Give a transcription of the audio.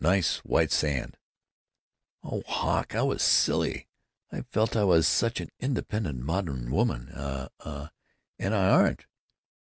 Nice white sand——" "Oh, Hawk, I was silly. I felt I was such an independent modern woman a a and I aren't!